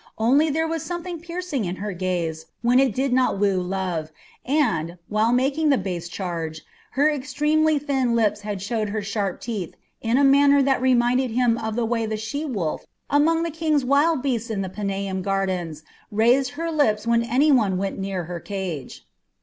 Only there was something piercing in her gaze when it did not woo love, and, while making the base charge, her extremely thin lips had showed her sharp teeth in a manner that reminded him of the way the she wolf among the King's wild beasts in the Paneum gardens raised her lips when any one went near her cage.